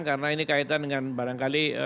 karena ini kaitan dengan barangkali